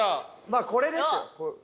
まあこれですよ。